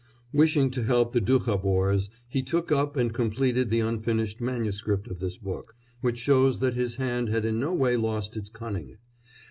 Wishing to help the Doukhobors, he took up and completed the unfinished manuscript of this book, which shows that his hand had in no way lost its cunning.